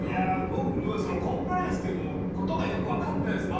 僕コンプライアンスってことがよく分かってないんです